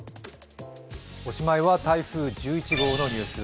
おしまいは台風１１号のニュース。